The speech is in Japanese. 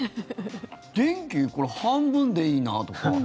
電気、半分でいいなとか。